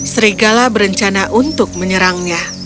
serigala berencana untuk menyerangnya